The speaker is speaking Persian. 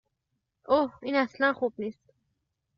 اوه این اصلا خوب نیست